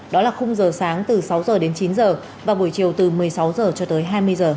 đó là khung giờ sáng từ sáu h đến chín h và buổi chiều từ một mươi sáu h cho tới hai mươi h